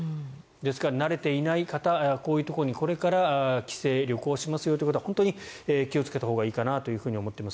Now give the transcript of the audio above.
ですから、慣れていない方こういうところにこれから帰省、旅行する方は本当に気をつけたほうがいいかなと思っています。